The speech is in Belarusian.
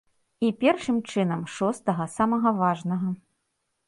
І, першым чынам, шостага, самага важнага.